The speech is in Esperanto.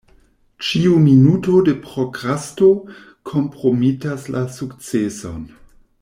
Ĉiu minuto de prokrasto kompromitas la sukceson.